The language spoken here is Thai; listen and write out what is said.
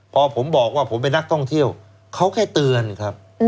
พอผมบอกว่าผมเป็นนักท่องเที่ยวเขาแค่เตือนครับ